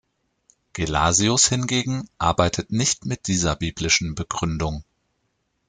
Gelasius hingegen arbeitet nicht mit dieser biblischen Begründung.